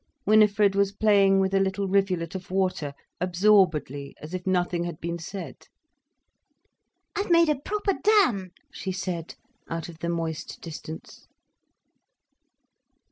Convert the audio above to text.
Winifred was playing with a little rivulet of water, absorbedly as if nothing had been said. "I've made a proper dam," she said, out of the moist distance.